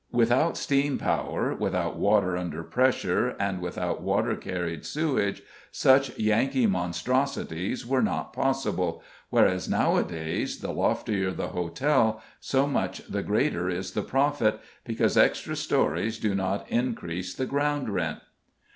Without steam power, without water under pressure, and without water carried sewage, such Yankee monstrosities were not possible, whereas nowadays the loftier the hotel so much the greater is the profit, because extra storeys do not increase the ground rent.